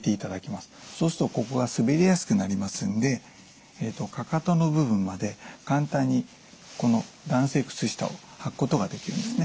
そうするとここが滑りやすくなりますんでかかとの部分まで簡単にこの弾性靴下を履くことができるんですね。